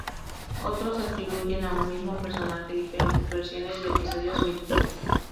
Otros atribuyen a un mismo personaje diferentes versiones de episodios míticos.